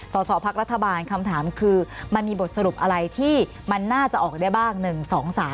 สอสอพักรัฐบาลคำถามคือมันมีบทสรุปอะไรที่มันน่าจะออกได้บ้าง๑๒๓